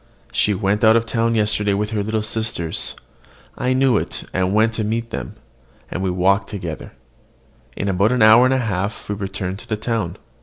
She went out yesterday with her little sisters: I knew it, and went to meet them; and we walked together. In about an hour and a half we returned to the town.